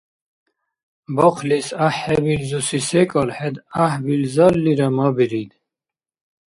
Бахълис гӀяхӀхӀебилзуси секӀал хӀед гӀяхӀбилзаллира мабирид.